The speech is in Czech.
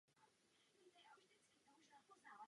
Náves byla v západní části.